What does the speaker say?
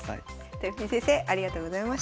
とよぴー先生ありがとうございました。